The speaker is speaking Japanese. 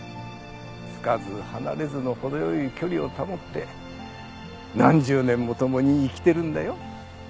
つかず離れずの程良い距離を保って何十年も共に生きてるんだよ。